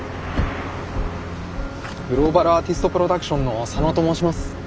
グローバルアーティストプロダクションの佐野と申します。